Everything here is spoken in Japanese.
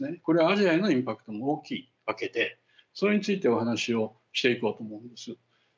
これはアジアへのインパクトも大きいわけでそれについてお話をしていこうと思います。